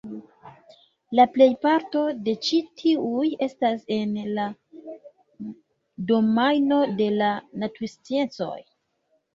La plejparto de ĉi tiuj estas en la domajno de la natursciencoj.